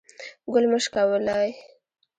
ګل مه شکولوئ